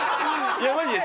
いやマジで。